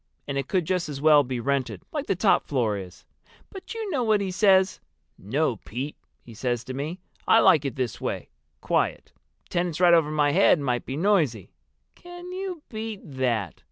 And it could just as well be rented, like the top floor is. But you know what he says? 'No, Pete,' he says to me, 'I like it this way—quiet. Tenants right over my head might be noisy.' Can you beat that?